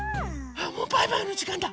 あっもうバイバイのじかんだ！